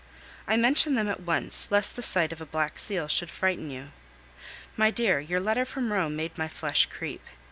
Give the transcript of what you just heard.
I mention them at once, lest the sight of the black seal should frighten you. My dear, your letter from Rome made my flesh creep.